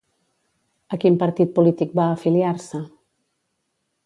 A quin partit polític va afiliar-se?